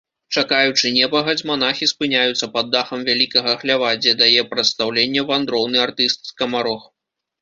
Чакаючы непагадзь, манахі спыняюцца пад дахам вялікага хлява, дзе дае прадстаўленне вандроўны артыст-скамарох.